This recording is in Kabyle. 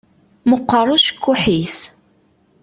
Meqqeṛ ucekkuḥ-is.